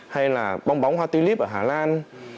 hay là bong bóng hoa tulip ở hà lan